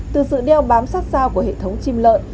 từ sự đeo bám sát sao của hệ thống chim lợn